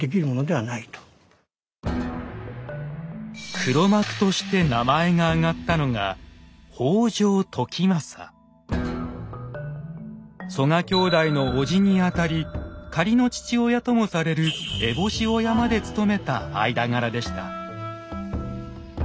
黒幕として名前が挙がったのが曽我兄弟のおじにあたり仮の父親ともされる烏帽子親まで務めた間柄でした。